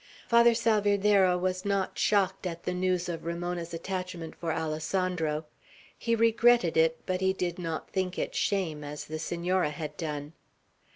Father Salvierderra was not shocked at the news of Ramona's attachment for Alessandro. He regretted it, but he did not think it shame, as the Senora had done.